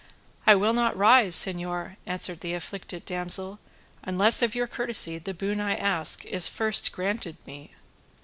"I will not rise, señor," answered the afflicted damsel, "unless of your courtesy the boon I ask is first granted me."